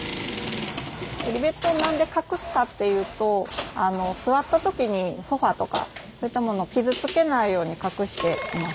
リベットを何で隠すかっていうと座った時にソファーとかそういったものを傷つけないように隠しています。